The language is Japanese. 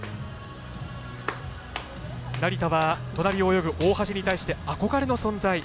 成田は隣を泳ぐ大橋に対して憧れの存在